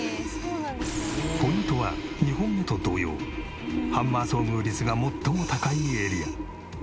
ポイントは２本目と同様ハンマー遭遇率が最も高いエリア。